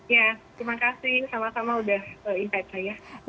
ya terima kasih sama sama udah insight saya